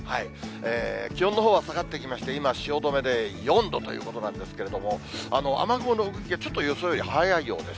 気温のほうは下がってきまして、今、汐留で４度ということなんですけれども、雨雲の動きが、ちょっと予想より早いようです。